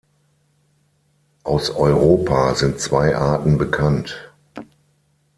Aus Europa sind zwei Arten bekannt.